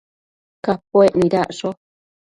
Capuec nidacsho